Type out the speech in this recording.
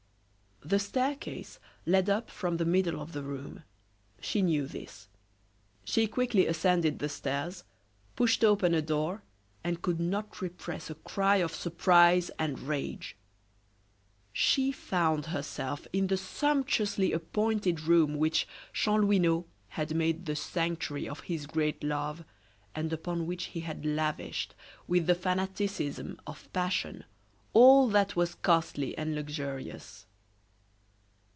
The staircase led up from the middle of the room; she knew this. She quickly ascended the stairs, pushed open a door, and could not repress a cry of surprise and rage. She found herself in the sumptuously appointed room which Chanlouineau had made the sanctuary of his great love, and upon which he had lavished, with the fanaticism of passion, all that was costly and luxurious.